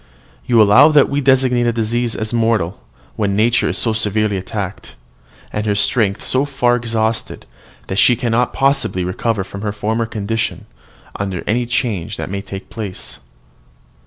"You allow that we designate a disease as mortal when nature is so severely attacked, and her strength so far exhausted, that she cannot possibly recover her former condition under any change that may take place.